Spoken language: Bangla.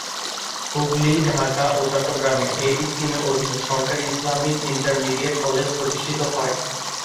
হুগলি, ঢাকা ও চট্টগ্রামে এ স্কিমের অধীনে সরকারি ইসলামিক ইন্টারমিডিয়েট কলেজ প্রতিষ্ঠিত হয়।